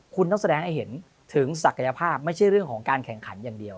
คุณต้องแสดงให้เห็นถึงศักยภาพไม่ใช่เรื่องของการแข่งขันอย่างเดียว